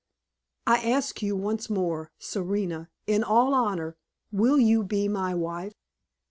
I ask you once more, Serena, in all honor, will you be my wife?